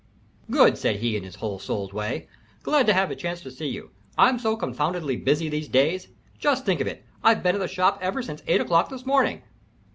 "Good!" said he, in his whole souled way. "Glad to have a chance to see you I'm so confoundedly busy these days just think of it, I've been at the shop ever since eight o'clock this morning."